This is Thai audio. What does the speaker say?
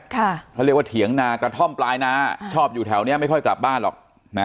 เขาเรียกว่าเถียงนากระท่อมปลายนาชอบอยู่แถวนี้ไม่ค่อยกลับบ้านหรอก